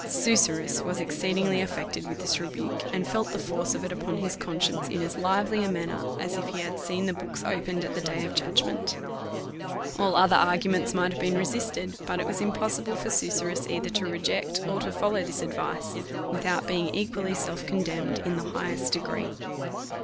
Susurrus wa§ exceedingly affected with this rebuke, and felt the force of it upon his conscience in as lively a manner, as if he had seen the books opened at the day of judgment. All other arguments might have been resisted; but it was impossible for vSusurrus either to reject, or to follow this advice, without being equally self condemned in the highest degree.